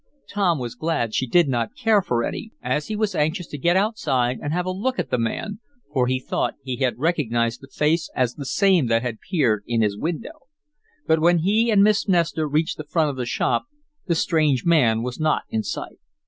Tom was glad she did not care for any, as he was anxious to get outside, and have a look at the man, for he thought he had recognized the face as the same that had peered in his window. But when he and Miss Nestor reached the front of the shop the strange man was not in sight.